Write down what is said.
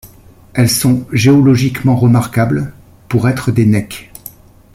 Elles sont géologiquement remarquables pour être des necks.